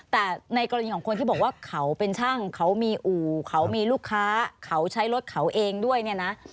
แต่ในกรณีของคนที่บอกว่าเขาเป็นช่างเขามีอู่เขามีลูกค้าเขาใช้รถเขาเองด้วยเนี่ยนะ